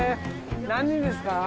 何人ですか？